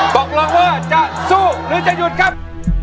ตกลงว่าจะสู้หรือจะหยุดครับ